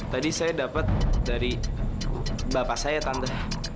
tadi saya dapat dari bapak saya tante